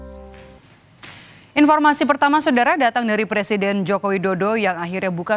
hai informasi pertama saudara datang dari presiden jokowi dodo yang akhirnya buka